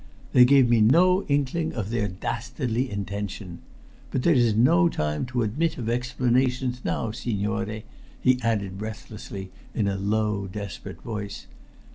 They gave me no inkling of their dastardly intention. But there is no time to admit of explanations now, signore," he added breathlessly, in a low desperate voice.